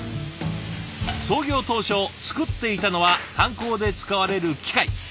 創業当初作っていたのは炭鉱で使われる機械。